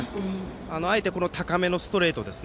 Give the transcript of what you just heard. あえて高めのストレートを。